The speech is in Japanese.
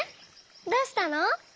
どうしたの？